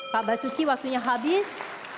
pak basuki waktunya habis